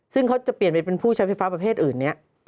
ซึ่งเขาจะเปลี่ยนไปเป็นผู้ใช้ไฟฟ้าประเภทอื่นนี้